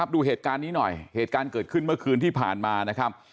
ดูเหตุการณ์นี้หน่อยเหตุการณ์เกิดขึ้นเมื่อคืนที่ผ่านมานะครับ